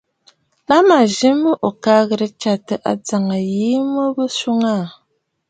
La mə̀ zi mə ò ka ghɨ̀rə tsyàtə ajàŋə mə mə̀ swòŋə aà.